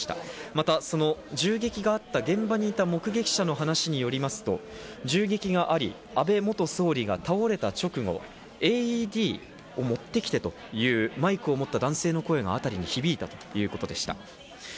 また銃撃があった現場にいた目撃者の話によりますと銃撃があり、安倍元総理が倒れた直後、ＡＥＤを持ってきてというマイクを持った男性の声が辺りに響いたということでした。